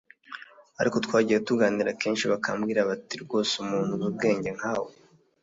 ariko twagiye tuganira kenshi bakambwira bati ‘ rwose umuntu uzi ubwenge nkawe